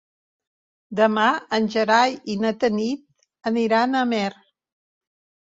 Demà en Gerai i na Tanit aniran a Amer.